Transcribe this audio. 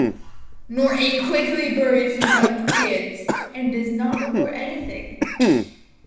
Norton quickly buries Melquiades and does not report anything.